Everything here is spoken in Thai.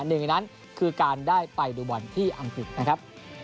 หนึ่งในนั้นคือการได้ไปดูบอลที่อังกฤษนะครับ